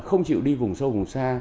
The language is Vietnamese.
không chịu đi vùng sâu vùng xa